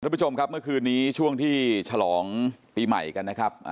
คุณผู้ชมครับเมื่อคืนนี้ช่วงที่ฉลองปีใหม่กันนะครับ